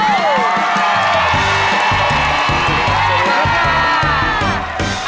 สวัสดีค่ะ